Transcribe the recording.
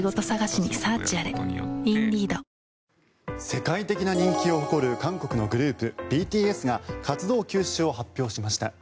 世界的な人気を誇る韓国のグループ、ＢＴＳが活動休止を発表しました。